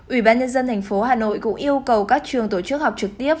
ủy ban nhân dân thành phố hà nội cũng yêu cầu các trường tổ chức học trực tiếp